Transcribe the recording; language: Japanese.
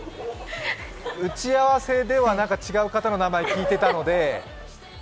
打ち合わせでは違う方の名前聞いてたので。